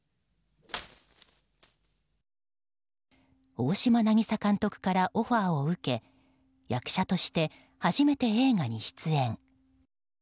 大島渚監督からオファーを受け役者として初めて映画に出演。